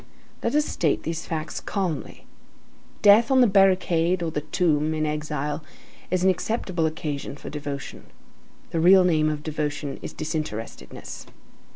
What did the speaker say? Let us state these facts calmly. Death on the barricade or the tomb in exile, is an acceptable occasion for devotion. The real name of devotion is disinterestedness.